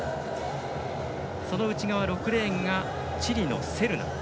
その内側６レーンがチリのセルナ。